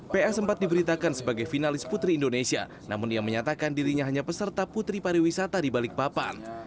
pa sempat diberitakan sebagai finalis putri indonesia namun ia menyatakan dirinya hanya peserta putri pariwisata di balikpapan